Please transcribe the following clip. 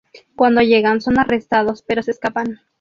Cuando llegan, son arrestados, pero se escapan.